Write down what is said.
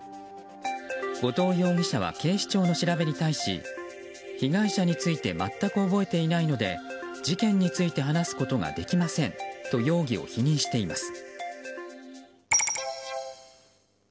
後藤容疑者は警視庁の調べに対し被害者について全く覚えていないので事件について話すことができませんと容疑を否認しています。